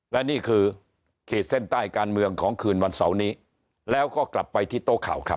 และนี่คือขีดเส้นใต้การเมืองของคืนวันเสาร์นี้แล้วก็กลับไปที่โต๊ะข่าวครับ